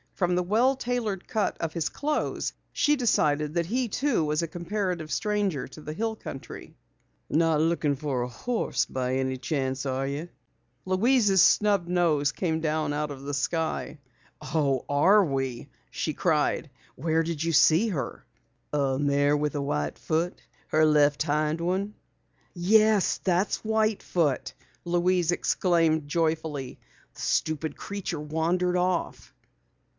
From the well tailored cut of his clothes she decided that he too was a comparative stranger to the hill country. "Not looking for a horse by any chance, are you?" the young man inquired. Louise's snub nose came down out of the sky. "Oh, we are!" she cried. "Where did you see her?" "A mare with a white foot? Her left hind one?" "Yes, that's White Foot!" Louise exclaimed joyfully. "The stupid creature wandered off."